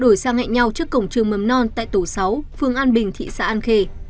đổi sang hẹn nhau trước cổng trường mầm non tại tổ sáu phường an bình thị xã an khê